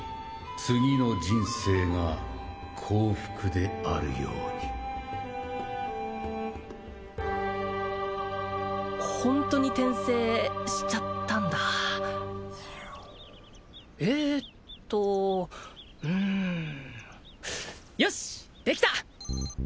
次の人生が幸福であるようにホントに転生しちゃったんだえっとうんよしできた！